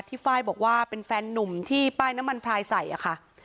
ไฟล์บอกว่าเป็นแฟนนุ่มที่ป้ายน้ำมันพลายใส่อะค่ะ